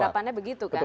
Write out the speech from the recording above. harapannya begitu kan